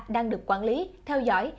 đang được quản lý theo dõi